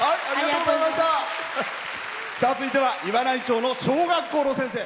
続いては岩内町の小学校の先生。